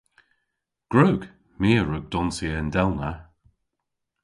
Gwrug. My a wrug donsya yndellna.